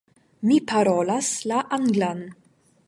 Mi parolas la anglan.